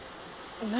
何？